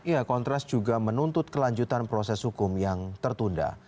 ya kontras juga menuntut kelanjutan proses hukum yang tertunda